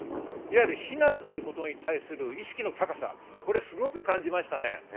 避難ということに対する意識の高さ、これすごく感じましたね。